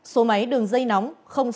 số máy đường dây nóng